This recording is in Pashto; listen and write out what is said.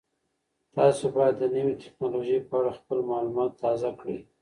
تاسو باید د نوې تکنالوژۍ په اړه خپل معلومات تازه کړئ.